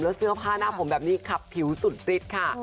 แล้วเสื้อผ้าหน้าผมแบบนี้ขับผิวสุดฟิตค่ะ